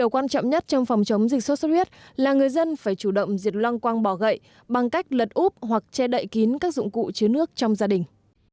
quan trọng nhất trong phòng chống dịch sốt xuất huyết là người dân phải chủ động diệt loang quang bỏ gậy bằng cách lật úp hoặc che đậy kín các dụng cụ chứa nước trong gia đình